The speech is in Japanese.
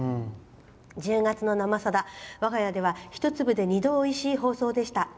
１０月の「生さだ」、我が家ではひと粒で二度おいしい放送でした。